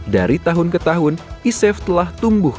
dari tahun ke tahun isef telah tumbuh